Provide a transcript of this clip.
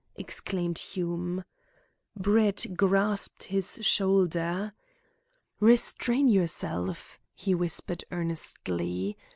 exclaimed Hume. Brett grasped his shoulder. "Restrain yourself," he whispered earnestly.